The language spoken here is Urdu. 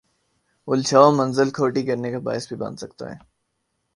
الجھاؤ منزل کھوٹی کرنے کا باعث بھی بن سکتا ہے۔